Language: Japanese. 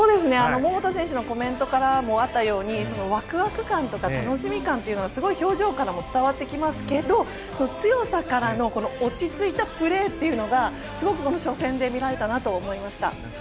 桃田選手のコメントからもあったようにワクワク感とか楽しみ感というのがすごい表情からも伝わってきますけど強さからの落ち着いたプレーというのがすごく初戦で見られたなと思いました。